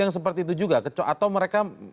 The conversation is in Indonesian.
yang seperti itu juga atau mereka